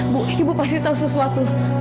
bu ibu pasti tahu sesuatu